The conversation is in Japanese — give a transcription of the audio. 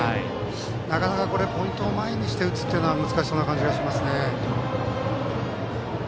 なかなかポイントを前にして打つというのは難しそうな感じがしますね。